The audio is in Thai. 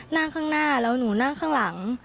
นั่งข้างหน้าแล้วหนูนั่งข้างหลัง